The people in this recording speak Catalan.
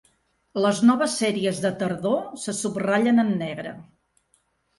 Les noves series de tardor se subratllen en negre.